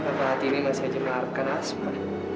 kata hati ini masih saja mengharapkan asma